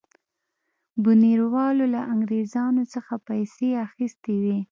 بونیروالو له انګرېزانو څخه پیسې اخیستې وې.